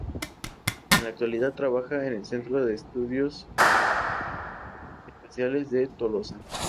En la actualidad trabaja en el Centro Nacional de Estudios Espaciales de Tolosa.